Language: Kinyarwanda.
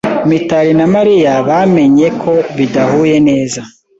Mitari na Mariya bamenye ko bidahuye neza.